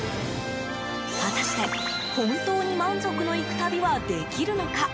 果たして、本当に満足のいく旅はできるのか。